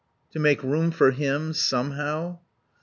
(To make room for him somehow.)